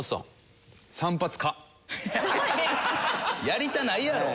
やりたないやろ。